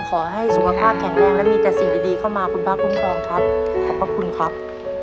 ขอให้สุขภาพแข็งแรงและมีแต่ศีลดีเข้ามาขอบพระคุณครับ